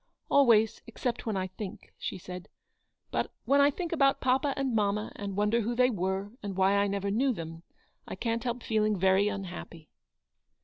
"Always, except when I think," she said ;" but when I think about papa and mamma, and wonder who they were, and why I never knew them, I can't help feeling very unhappy."